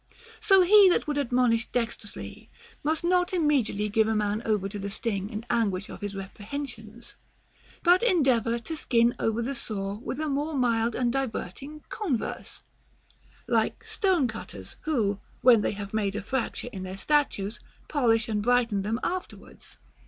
So he who would admonish dexter ously must not immediately give a man over to the sting and anguish of his reprehensions, but endeavor to skin over the sore with a more mild and diverting converse ; like stone cutters, who, when they have made a fracture in their statues, polish and brighten them afterwards.